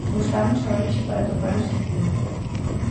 Buscamos a orixe para atopar o sentido.